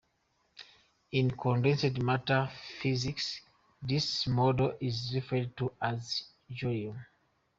In condensed matter physics, this model is referred to as jellium.